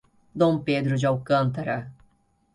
Dom Pedro de Alcântara